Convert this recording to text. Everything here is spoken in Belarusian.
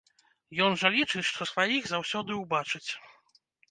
Ён жа лічыць, што сваіх заўсёды ўбачыць.